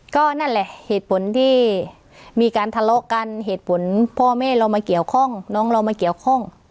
ก็นั่นแหละเหตุผลที่มีการทะเลาะกันเหตุผลพ่อแม่เรามาเกี่ยวข้อง